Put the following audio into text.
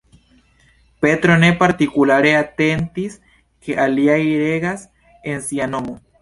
Petro ne partikulare atentis ke aliaj regas en sia nomo.